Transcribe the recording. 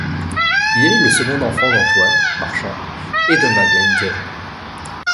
Il est le second enfant d'Antoine, marchand, et de Madeleine Deret.